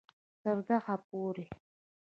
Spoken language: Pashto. تر دغه پورې